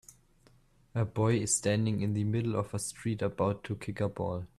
A boy is standing in the middle of a street about to kick a ball.